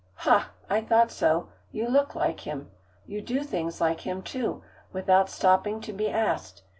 "Ha! I thought so. You look like him. You do things like him, too, without stopping to be asked.